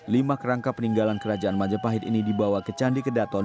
lima kerangka peninggalan kerajaan majapahit ini dibawa ke candi kedaton